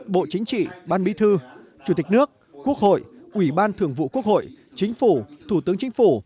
bộ chính trị ban bí thư chủ tịch nước quốc hội ủy ban thường vụ quốc hội chính phủ thủ tướng chính phủ